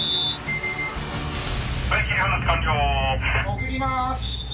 潜ります。